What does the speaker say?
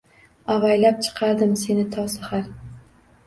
Avaylab chiqardim seni to sahar.